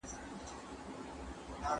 سم نیت ستړیا نه جوړوي.